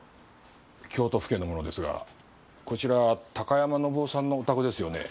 京都府警の者ですがこちら高山信夫さんのお宅ですよね？